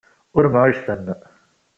Ur mɛujjten.